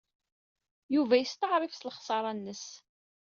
Yuba yesteɛṛef s lexṣara-nnes.